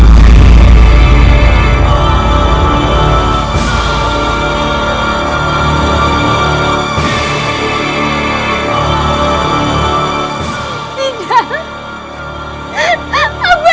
jika saya tidak bisa melakukan